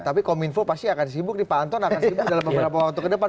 tapi kominfo pasti akan sibuk nih pak anton akan sibuk dalam beberapa waktu ke depan